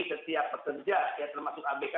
setiap pekerja termasuk abk